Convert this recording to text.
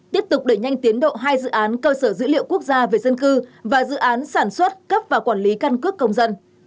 tiếp tục đẩy nhanh tiến độ hai dự án cơ sở dữ liệu quốc gia về dân cư và dự án sản xuất cấp và quản lý căn cước công dân